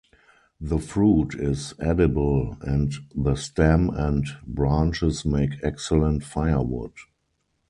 The fruit is edible and the stem and branches make excellent firewood.